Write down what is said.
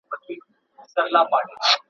له هغو اوسنیو شعرونو سره